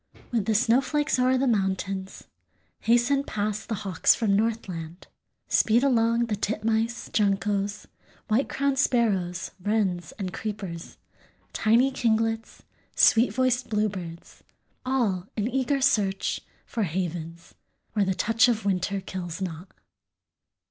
_) With the snowflakes o'er the mountains Hasten past the hawks from Northland, Speed along the titmice, juncos, White crowned Sparrows, wrens, and creepers, Tiny kinglets, sweet voiced bluebirds, All in eager search for havens Where the touch of winter kills not.